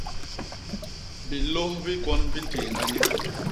Bilôs bi gwon bi ntééñga nye.